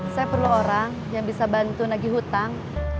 saya perlu orang yang bisa bantu nagih hutang